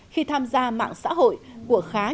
khi tham gia mạng xã hội của khán giả